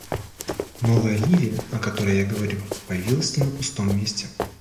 Новая Ливия, о которой я говорю, появилась не на пустом месте.